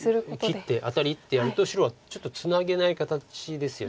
切ってアタリってやると白はちょっとツナげない形ですよね。